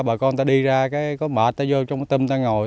bà con ta đi ra có mệt ta vô trong cái tâm ta ngồi